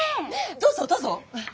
どうぞどうぞ！